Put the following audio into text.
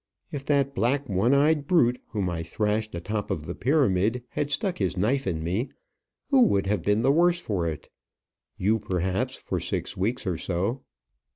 If that black, one eyed brute, whom I thrashed a top of the pyramid, had stuck his knife in me, who would have been the worse for it? You, perhaps for six weeks or so."